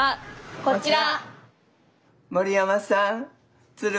こちら！